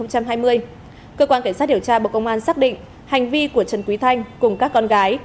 cơ quan cảnh sát điều tra bộ công an xác định hành vi của trần quý thanh cùng các con gái